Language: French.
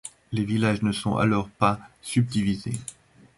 Les villages ne sont alors pas subdivisés.